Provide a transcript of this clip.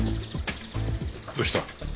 どうした？